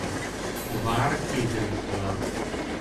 A vár két részből áll.